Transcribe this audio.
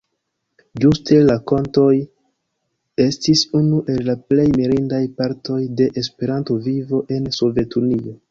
Ĝuste la kantoj estis unu el la plej mirindaj partoj de Esperanto-vivo en Sovetunio.